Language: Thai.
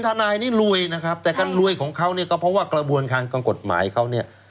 ทนายนี่รวยนะครับแต่การรวยของเขาเนี่ยก็เพราะว่ากระบวนทางกฎหมายเขาเนี่ย